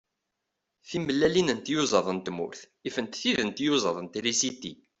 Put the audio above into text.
Timellalin n tyuẓaḍ n tmurt ifent tid n tyuẓaḍ n trisiti.